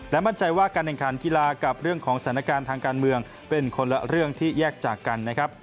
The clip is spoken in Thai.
มั่นใจว่าการแข่งขันกีฬากับเรื่องของสถานการณ์ทางการเมืองเป็นคนละเรื่องที่แยกจากกันนะครับ